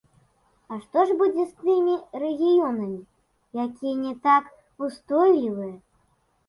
А што ж будзе з тымі рэгіёнамі, якія не так устойлівыя?